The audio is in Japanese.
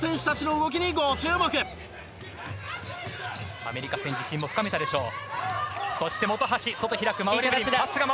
アメリカ戦自信も深めたでしょう。